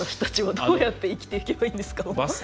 どう生きていけばいいんですか。